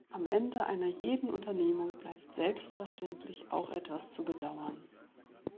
Am Ende einer jeden Unternehmung bleibt selbstverständlich auch etwas zu bedauern.